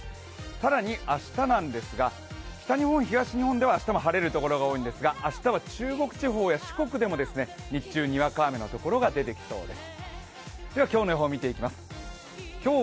更に明日なんですが、北日本、東日本では明日も晴れる所が多いんですが明日は中国地方や四国でも日中にわか雨のところが出てきそうです。